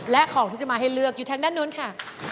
และของที่จะมาให้เลือกอยู่ทางด้านนู้นค่ะ